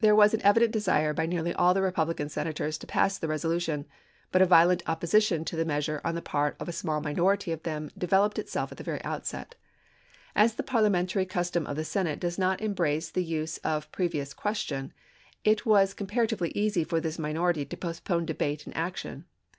was an evident desire by nearly all the Republican Senators to pass the resolution ; but a violent oppo sition to the measure on the part of a small minority of them developed itself at the very outset. As the parliamentary custom of the Senate does not em brace the use of the previous question, it was com paratively easy for this minority to postpone debate and action.